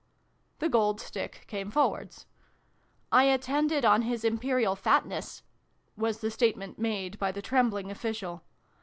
The Gold Stick came forwards. " I attended on His Imperial Fatness," was the statement made by the trembling official.